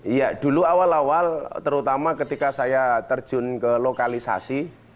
iya dulu awal awal terutama ketika saya terjun ke lokalisasi